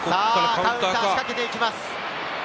カウンター仕掛けていきます。